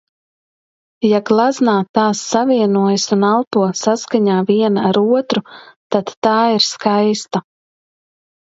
Ja gleznā tās savienojas un elpo saskaņā viena ar otru, tad tā ir skaista.